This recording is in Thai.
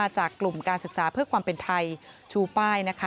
จากกลุ่มการศึกษาเพื่อความเป็นไทยชูป้ายนะคะ